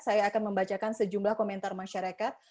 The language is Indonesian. saya akan membacakan sejumlah komentar masyarakat